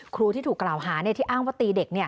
ครูที่ถูกกล่าวหาที่อ้างว่าตีเด็ก